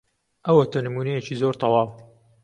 ئەوەتە نموونەیەکی زۆر تەواو.